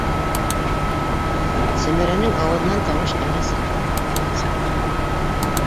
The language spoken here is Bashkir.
- Сәмәрәнең ауыҙынан тауыш әллә сыҡты, әллә сыҡманы.